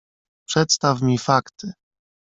"Przedstaw mi fakty!"